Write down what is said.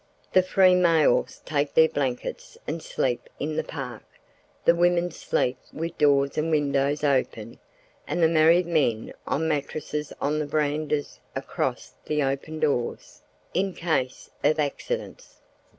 The free males take their blankets and sleep in the "park;" the women sleep with doors and windows open, and the married men on mattresses on the verandas across the open doors—in case of accidents.